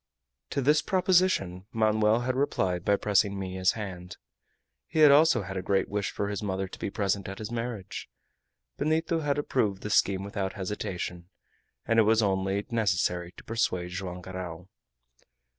To this proposition Manoel had replied by pressing Minha's hand. He also had a great wish for his mother to be present at his marriage. Benito had approved the scheme without hesitation, and it was only necessary to persuade Joam Garral.